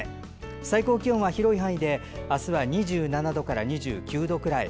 最高気温は広い範囲で明日は２７度から２９度くらい。